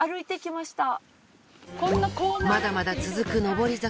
まだまだ続く上り坂。